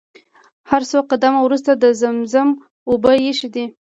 هر څو قدمه وروسته د زمزم اوبه ايښي دي.